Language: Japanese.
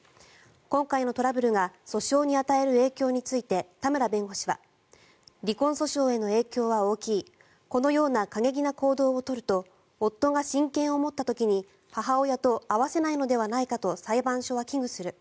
今回のトラブルが訴訟に与える影響について田村弁護士は離婚訴訟への影響は大きいこのような過激な行動を取ると夫が親権を持った時に母親と会わせないのではないかと裁判所は危惧する。